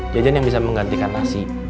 jajan yang bisa menggantikan nasi